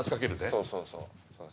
そうそうそう。